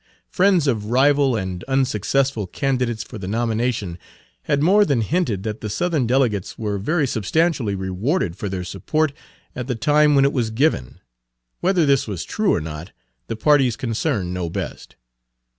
Friends of rival and unsuccessful candidates for the nomination had more than hinted that the Page 103 Southern delegates were very substantially rewarded for their support at the time when it was given; whether this was true or not the parties concerned know best.